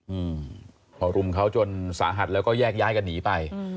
อืมพอรุมเขาจนสาหัสแล้วก็แยกย้ายกันหนีไปอืม